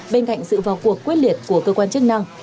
bên cạnh sự vào cuộc quyết liệt của cơ quan chức năng